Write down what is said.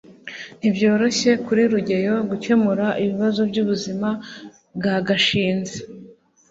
ntibyoroshye kuri rugeyo gukemura ibibazo byubuzima bwa gashinzi